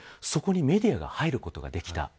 そこにメディアが入ることができた。